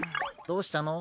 どうしたの？